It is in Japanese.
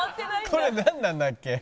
これなんなんだっけ？